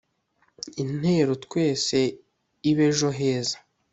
Intero twese ibe ejo heza